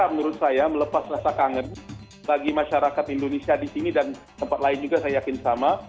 menurut saya melepas rasa kangen bagi masyarakat indonesia di sini dan tempat lain juga saya yakin sama